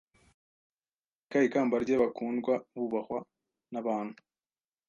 bambika ikamba rye bakundwa bubahwa nabantu